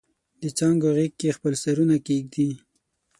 دڅانګو غیږ کې خپل سرونه کښیږدي